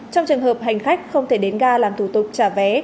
trong trường hợp hành khách không thể đến ga làm thủ tục trả vé